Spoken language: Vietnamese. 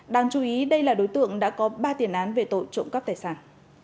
đáng chú ý đây là đối tượng đã có ba tiền án về tội trộm cắp tài sản